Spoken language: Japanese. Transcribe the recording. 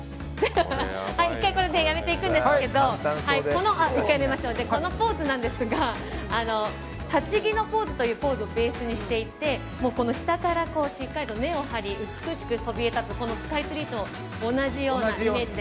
１回、これでやめるんですがこのポーズなんですが立ち木のポーズというポーズをベースにしていて下からしっかりと根を張り美しくそびえ立つスカイツリーと同じようなイメージで。